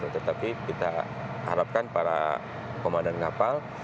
tetapi kita harapkan para komandan kapal